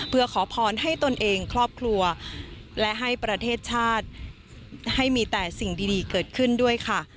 เพื่อขอพรให้ตนเองครอบครัวและให้ประเทศชาติให้มีแต่สิ่งดีเกิดขึ้นด้วยค่ะ